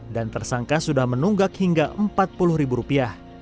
dan tersangka sudah menunggak hingga empat puluh ribu rupiah